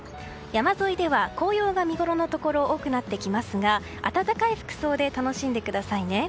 山沿いでは紅葉が見ごろのところが多くなってきますが暖かい服装で楽しんでくださいね。